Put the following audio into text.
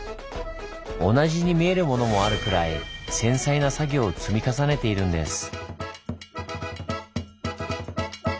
同じに見えるものもあるくらい繊細な作業を積み重ねているんです。